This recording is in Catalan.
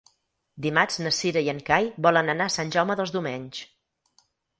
Dimarts na Cira i en Cai volen anar a Sant Jaume dels Domenys.